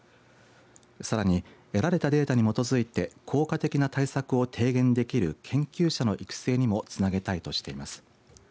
さらに得られたデータに基づいて効果的な対策を提言できる研究者の育成にもつなげたいとしています。